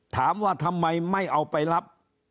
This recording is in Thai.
ถามว่าทำไมไม่เอาไปรับ